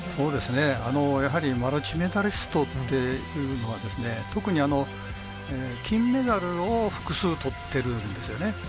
やはりマルチメダリストっていうのは特に、金メダルを複数とってるんですよね。